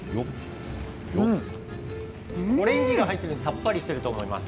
オレンジが入っているのでさっぱりしていると思います。